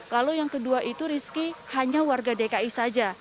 lalu yang kedua itu rizky hanya warga dki saja